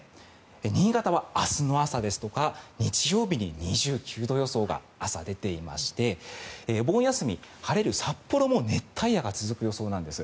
新潟は明日の朝や日曜日に２９度予想が朝、出ていましてお盆休み、晴れる札幌も熱帯夜が続く予想なんです。